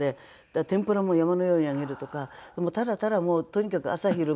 だから天ぷらも山のように揚げるとかただただとにかく朝昼晩。